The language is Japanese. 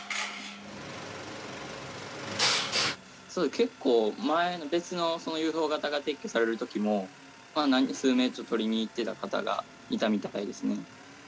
結構前別のＵＦＯ型が撤去される時も数名撮りに行ってた方がいたみたいですね。